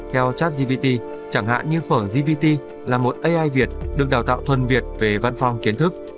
theo chatgvt chẳng hạn như phở gvt là một ai việt được đào tạo thuần việt về văn phòng kiến thức